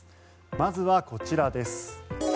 まずはこちらです。